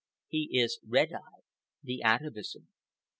He is Red Eye, the atavism.